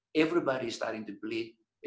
semua orang mulai membeli